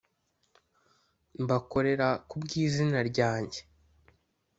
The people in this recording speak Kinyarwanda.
mbakorera ku bw izina ryanjye